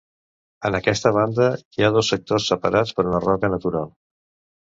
En aquesta banda, hi ha dos sectors separats per una roca natural.